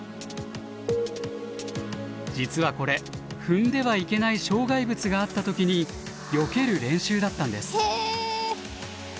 実はこれ踏んではいけない障害物があった時によける練習だったんです。